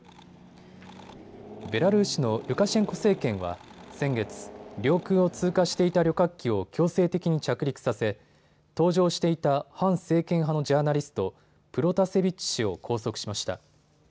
ベラルーシのルカシェンコ政権は、先月、領空を通過していた旅客機を強制的に着陸させ搭乗していた反政権派のジャーナリスト、プロタセビッチ氏を拘束しました。